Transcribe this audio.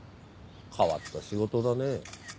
変わった仕事だね。